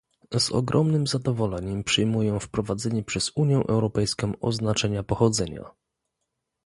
Z ogromnym zadowoleniem przyjmuję wprowadzenie przez Unię Europejską oznaczenia pochodzenia